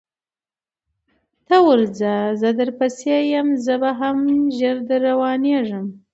ته ورځه زه در پسې یم زه هم ژر در روانېږم